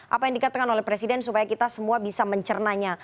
apa yang dikatakan oleh presiden supaya kita semua bisa mencernanya